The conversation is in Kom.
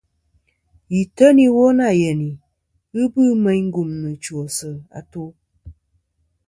Yì teyn iwo nâ yenì , ghɨ bɨ meyn gumnɨ chwosɨ atu.